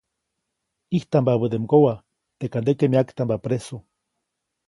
ʼIjtampabäde mgowa, teʼkade myaktamba presu.